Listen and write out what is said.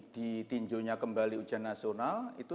di tinjau nya kembali ujian nasional itu